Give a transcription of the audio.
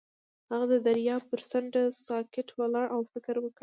هغه د دریاب پر څنډه ساکت ولاړ او فکر وکړ.